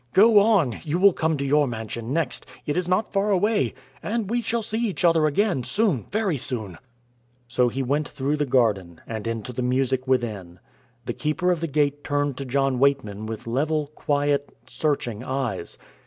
Go on, you will come to your mansion next, it is not far away, and we shall see each other again soon, very soon." So he went through the garden, and into the music within. The Keeper of the Gate turned to John Weightman with level, quiet, searching eyes.